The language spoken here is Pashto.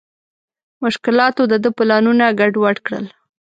مشکلاتو د ده پلانونه ګډ وډ کړل.